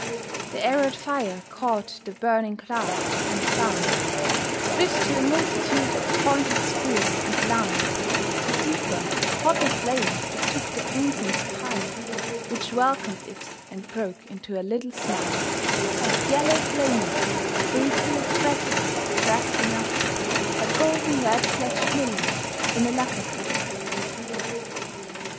The arrowed fire caught the burning glass and glanced, Split to a multitude of pointed spears, and lanced, A deeper, hotter flame, it took the incense pile Which welcomed it and broke into a little smile Of yellow flamelets, creeping, crackling, thrusting up, A golden, red slashed lily in a lacquer cup.